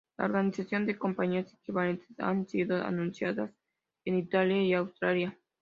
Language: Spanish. La organización de campañas equivalentes han sido anunciadas en Italia y Australia.